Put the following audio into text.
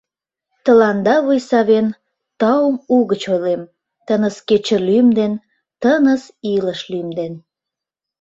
Тыланда вуй савен, Таум угыч ойлем, — Тыныс кече лӱм ден, Тыныс илыш лӱм ден…